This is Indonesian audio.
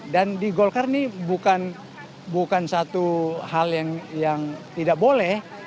dan di golkar ini bukan satu hal yang tidak boleh